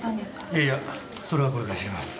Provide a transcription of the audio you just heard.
いやいやそれはこれから調べます。